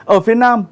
ở phía nam